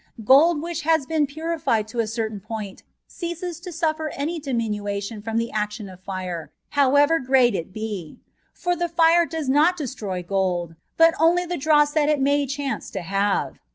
Gold which has been purified to a certain point ceases to sufiTer any diminution from the action of fire, however great it be ; for fire does not destroy gold, but only the dross that it may chance to bave.